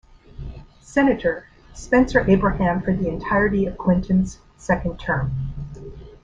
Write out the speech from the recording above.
Senator, Spencer Abraham for the entirety of Clinton's second term.